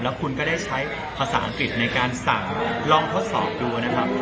แล้วคุณก็ได้ใช้ภาษาอังกฤษในการสั่งลองทดสอบดูนะครับ